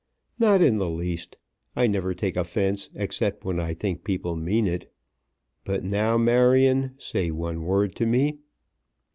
"Not in the least. I never take offence except when I think people mean it. But now, Marion, say one word to me."